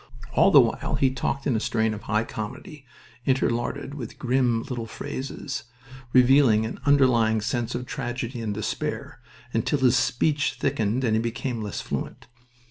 All the while he talked in a strain of high comedy interlarded with grim little phrases, revealing an underlying sense of tragedy and despair, until his speech thickened and he became less fluent.